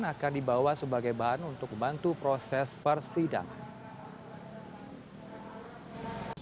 akan dibawa sebagai bahan untuk membantu proses persidangan